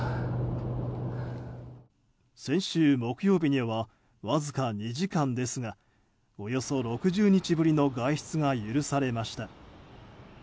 先週、木曜日にはわずか２時間ですがおよそ６０日ぶりの外出が許されました。